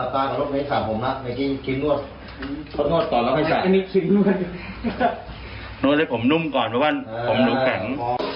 ให้ผมนุ่มก่อนเพราะว่าผมดูแข็ง